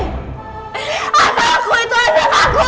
asal aku itu adalah aku